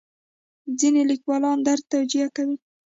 ځینې لیکوالان درد توجیه کوي.